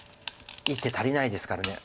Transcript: １手足りないですから。